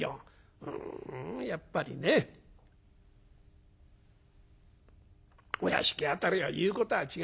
ふんやっぱりねお屋敷辺りは言うことが違いますよ。